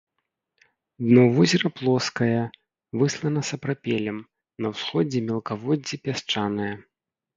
Дно возера плоскае, выслана сапрапелем, на ўсходзе мелкаводдзе пясчанае.